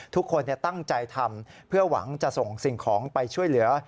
ทุกคนตั้งใจทำเพื่อหวังจะส่งสิ่งของไปช่วยเหลือ